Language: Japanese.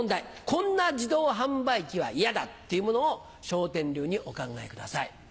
こんな自動販売機は嫌だっていうものを笑点流にお考えください。